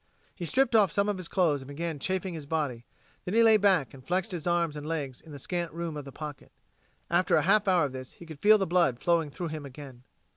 He stripped off some of his clothes and began chafing his body; then he lay back and flexed his arms and legs in the scant room of the pocket. After a half hour of this he could feel the blood flowing through him again.